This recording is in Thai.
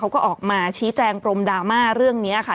เขาก็ออกมาชี้แจงปรมดราม่าเรื่องนี้ค่ะ